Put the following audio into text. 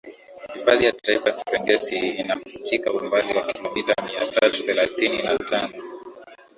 Hifadhi ya Taifa ya Serengeti inafikika umbali wa kilomita Mia tatu thelathini na tano